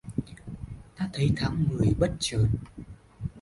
Ta thấy tháng mười bất chợt